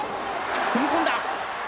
踏み込んだ！